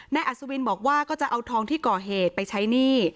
อัศวินบอกว่าก็จะเอาทองที่ก่อเหตุไปใช้หนี้